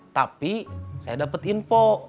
tapi saya dapet info